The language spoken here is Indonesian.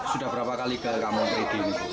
sudah berapa kali kamu kerja di ini